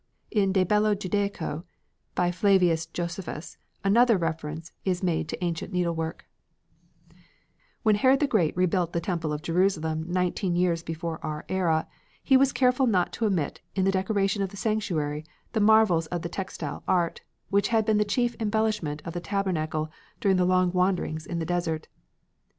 In "De Bello Judaico," by Flavius Josephus, another reference is made to ancient needlework: "When Herod the Great rebuilt the temple of Jerusalem nineteen years before our era, he was careful not to omit in the decoration of the sanctuary the marvels of textile art which had been the chief embellishment of the tabernacle during the long wanderings in the desert.